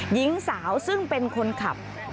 หญิงสาวซึ่งเป็นคนขับ